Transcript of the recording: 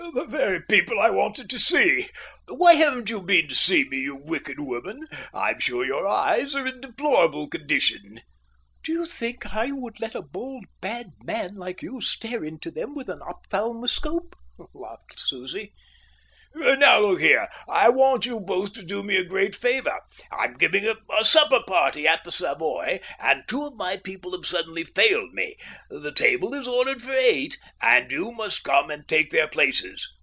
"The very people I wanted to see! Why haven't you been to see me, you wicked woman? I'm sure your eyes are in a deplorable condition." "Do you think I would let a bold, bad man like you stare into them with an ophthalmoscope?" laughed Susie. "Now look here, I want you both to do me a great favour. I'm giving a supper party at the Savoy, and two of my people have suddenly failed me. The table is ordered for eight, and you must come and take their places."